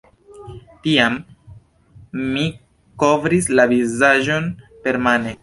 Tiam mi kovris la vizaĝon permane.